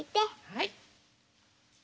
はい。